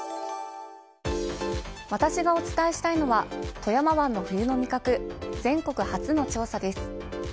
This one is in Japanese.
私がお伝えしたいのは富山湾の冬の味覚全国初の調査です。